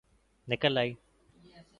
نکل آئ